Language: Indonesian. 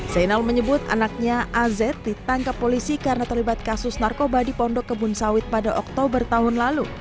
zainal menyebut anaknya az ditangkap polisi karena terlibat kasus narkoba di pondok kebun sawit pada oktober tahun lalu